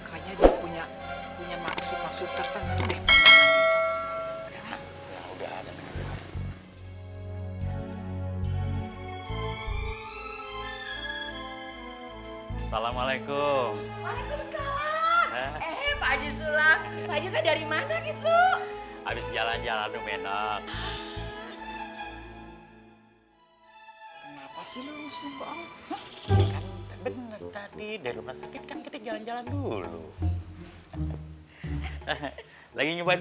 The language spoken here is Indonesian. assalamualaikum waalaikumsalam eh pak jisulah dari mana gitu habis jalan jalan